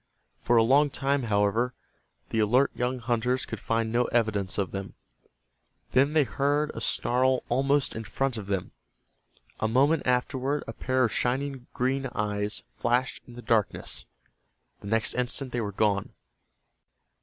For a long time, however, the alert young hunters could find no evidence of them. Then they heard a snarl almost in front of them. A moment afterward a pair of shining green eyes flashed in the darkness. The next instant they were gone.